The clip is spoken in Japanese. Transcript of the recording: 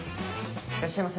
いらっしゃいませ。